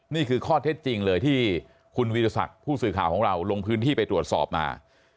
นี่คือข้อเท็จจริงเลยที่คุณวีรศักดิ์ผู้สื่อข่าวของเราลงพื้นที่ไปตรวจสอบมา